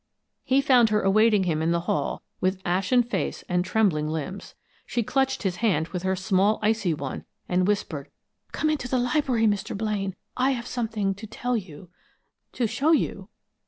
He found her awaiting him in the hall, with ashen face and trembling limbs. She clutched his hand with her small icy one, and whispered: "Come into the library, Mr. Blaine. I have something to tell you to show you!"